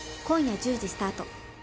今夜１０時スタート。